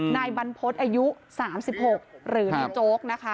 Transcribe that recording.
นายบรรพฤษอายุ๓๖หรือในโจ๊กนะคะ